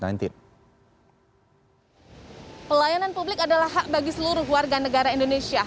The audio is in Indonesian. pelayanan publik adalah hak bagi seluruh warga negara indonesia